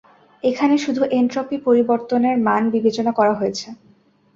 এখানে শুধু এনট্রপি পরিবর্তনের মান বিবেচনা করা হয়েছে।